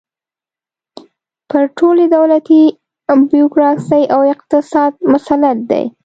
پر ټولې دولتي بیروکراسۍ او اقتصاد مسلط دی.